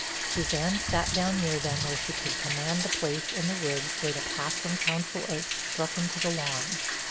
Suzanne sat down near them where she could command the place in the woods where the path from Council Oaks struck into the lawn.